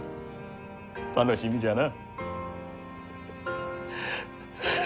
楽しみじゃな。